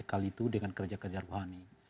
kali itu dengan kerja kerja rohani